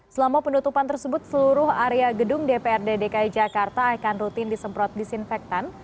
selama penutupan tersebut seluruh area gedung dprd dki jakarta akan rutin disemprot disinfektan